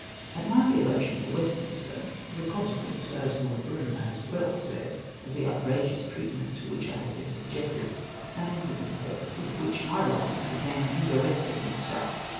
At my re election for Westminster — the consequence, as Lord Brougham has well said, of the outrageous treatment to which I had been subjected — ^an incident occurred with wliich my wrongs became indirectly mixed up.